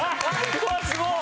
うわっすごい！